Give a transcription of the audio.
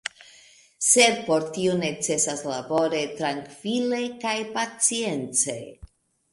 Sed por tio necesas labori, trankvile kaj pacience.